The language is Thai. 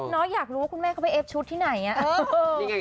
อยากรู้ว่าคุณแม่เขาไปเอฟชุดที่ไหน